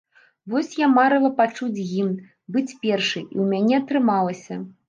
Вось я марыла пачуць гімн, быць першай, і ў мяне атрымалася.